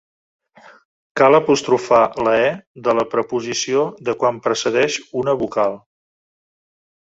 Cal apostrofar la e de la preposició de quan precedeix una vocal.